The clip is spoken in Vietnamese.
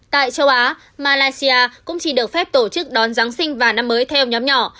tại châu á malaysia cũng chỉ được phép tổ chức đón giáng sinh và năm mới theo nhóm nhỏ